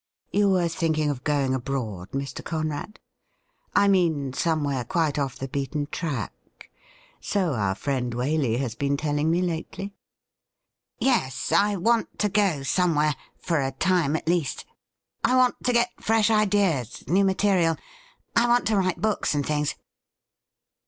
' You were thinking of going abroad, Mr. Conrad ? I mean, somewhere quite off the beaten track. So our friend Waley has been telling me lately.' ^Yes. I want to go somewhere — for a time^ at least. 136 THE RIDDLE RING I want to get fresh ideas — ^new material. I want to write books and things.'